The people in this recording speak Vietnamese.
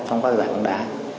trong quá trình giải bóng đá